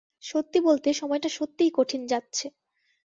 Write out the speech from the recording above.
সত্যি বলতে, সময়টা সত্যিই কঠিন যাচ্ছে।